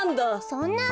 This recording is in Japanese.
そんな！